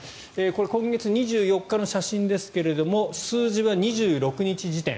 これは今月２４日の写真ですが数字は２６日時点。